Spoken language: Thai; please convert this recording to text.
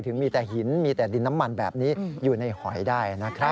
ถึงมีแต่หินมีแต่ดินน้ำมันแบบนี้อยู่ในหอยได้นะครับ